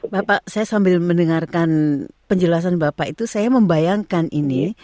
bapak saya sambil mendengarkan penjelasan bapak itu saya membayangkan ini